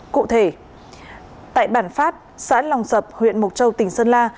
cụ thể tại bản phát xã lòng sập huyện mộc châu tỉnh sơn la